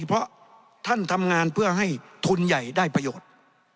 เพราะท่านทำงานเพื่อให้ทุนใหญ่ได้ประโยชน์